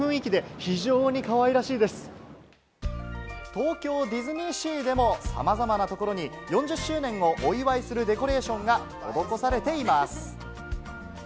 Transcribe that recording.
東京ディズニーシーでも様々なところに４０周年をお祝いするデコレーションが施されています。